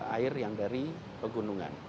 air yang dari pegunungan